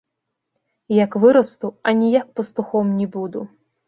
Як вырасту, аніяк пастухом не буду!